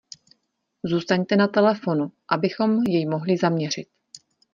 Zůstaňte na telefonu, abychom jej mohli zaměřit.